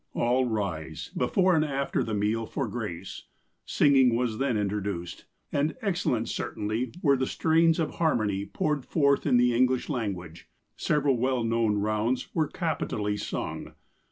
*' All rise, before and after the meal, for grace. Singing was then introduced, and excellent certainly were the strains of harmony poured forth in the English language. Several well known rounds were capitally sung.